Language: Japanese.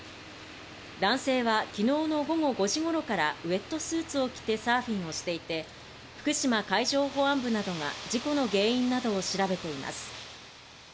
男性はきのうの午後５時ごろからウエットスーツを着てサーフィンをしていて福島海上保安部などが事故の原因などを調べています。